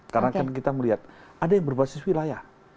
karena kan kita melihat ada yang berbasis wilayah